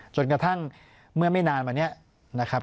จนกระทั่งเมื่อไม่นานมาเนี่ยนะครับ